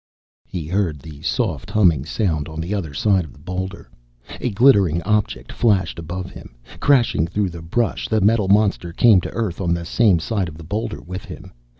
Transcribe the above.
He heard the soft humming sound on the other side of the boulder. A glittering object flashed above him. Crashing through the brush the metal monster came to earth on the same side of the boulder with him.